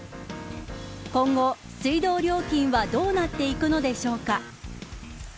今後、水道料金はどうなっていくのでしょうか。